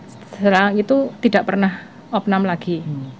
setelah itu tidak pernah opnam lagi